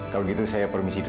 kalau gitu saya permisi dulu